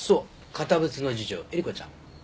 堅物の次女えり子ちゃん。